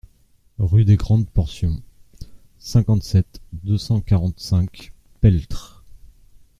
Rue des Grandes Portions, cinquante-sept, deux cent quarante-cinq Peltre